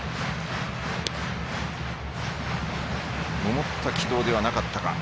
思った軌道ではなかった。